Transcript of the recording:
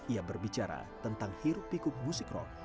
ia berbicara tentang hirup pikuk musik rock